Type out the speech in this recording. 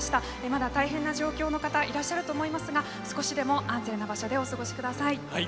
まだ大変な状況の方いらっしゃると思いますが少しでも安全な場所でお過ごしください。